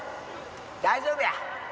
大丈夫や。